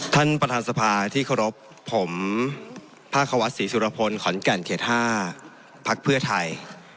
ท่านประธานสภาที่เคารพผมภาควัดศรีสุรพลขอนแก่นเขต๕พักเพื่อไทย